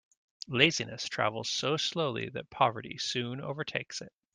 Laziness travels so slowly that poverty soon overtakes it.